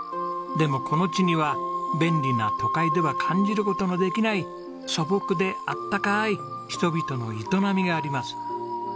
でもこの地には便利な都会では感じる事のできない素朴で温かい人々の営みがあります。